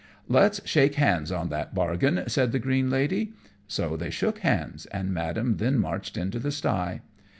"Let's shake hands on that bargain," said the green Lady; so they shook hands, and madam then marched into the sty.